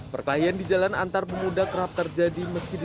perkelahian di jalan antar pemuda kerap terjadi